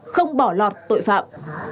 không bỏ lọt tội phạm